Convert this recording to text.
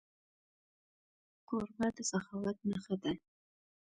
کوربه د سخاوت نښه ده.